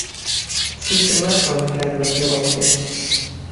چیتر ناتوانین کات بەفیڕۆ بدەین.